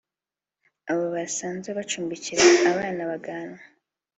abo basanze bacumbikira abana bagahanwa